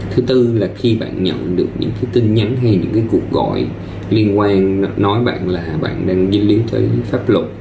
thứ tư là khi bạn nhận được những cái tin nhắn hay những cái cuộc gọi liên quan nói bạn là bạn đang vi lý thủy pháp luật